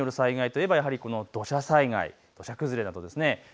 雨による災害といえばやはり土砂災害、土砂崩れなどです。